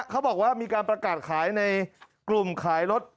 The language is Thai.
เขาบอกว่ามีการประกาศขายในกลุ่มขายรถ